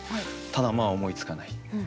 ただまあ思いつかない。